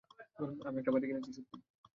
আমি একটা বাড়ি কিনেছি, - সত্যিই।